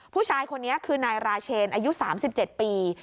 ผู้ชายคนนี้คือนายราเชนอายุ๓๗ปี